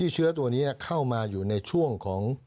เชื้อตัวนี้เข้ามาอยู่ในช่วงของ